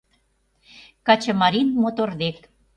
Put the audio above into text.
Качымарийын мотор дек.